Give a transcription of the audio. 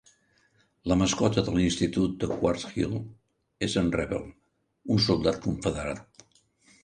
La mascota de l'institut de Quartz Hill és el Rebel, un soldat confederat.